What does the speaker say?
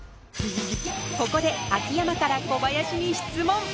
ここで秋山から小林に質問！